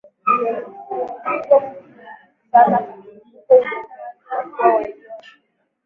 lilipingwa sana huko Ujerumani kwa kuwa waliona